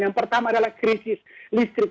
yang pertama adalah krisis listrik